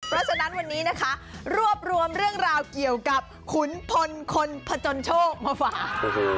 เพราะฉะนั้นวันนี้นะคะรวบรวมเรื่องราวเกี่ยวกับขุนพลคนผจญโชคมาฝาก